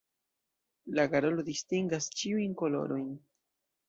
La garolo distingas ĉiujn kolorojn.